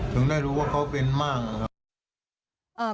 ถึงได้รู้ว่าเขาเป็นมั่งนะครับ